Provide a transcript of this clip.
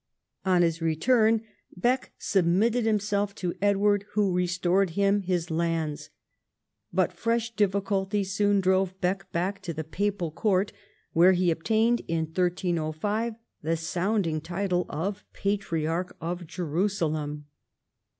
On his return, Bek submitted himself to Edward, who restored him his lands. But fresh difficulties soon drove Bek back to the papal court, where he obtained in 1305 the sounding title of Patriarch of Jerusalem.